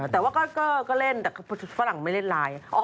แต่ว่าก็เล่นแต่ฝรั่งไม่เล่นไลน์